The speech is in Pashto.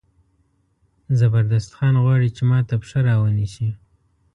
زبردست خان غواړي چې ما ته پښه را ونیسي.